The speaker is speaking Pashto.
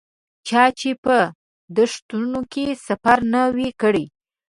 چا چې په دښتونو کې سفر نه وي کړی.